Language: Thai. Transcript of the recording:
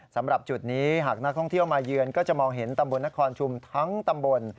สำหรับจุดนี้หากนักท่องเที่ยวมาเยือนก็จะมองเห็นตำบลนครชุมทั้งตำบล